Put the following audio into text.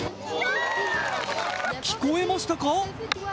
聞こえましたか？